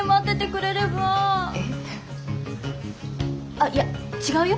あっいや違うよ？